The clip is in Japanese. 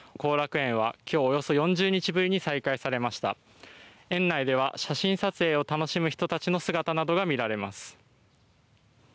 園内では写真撮影を楽しむ人たちの姿などが見られます。